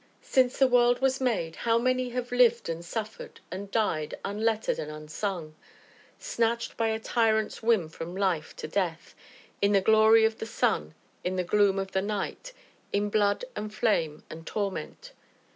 Since the world was made, how many have lived and suffered, and died, unlettered and unsung snatched by a tyrant's whim from life to death, in the glory of the sun, in the gloom of night, in blood and flame, and torment?